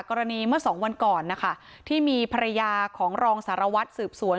เมื่อสองวันก่อนนะคะที่มีภรรยาของรองสารวัตรสืบสวน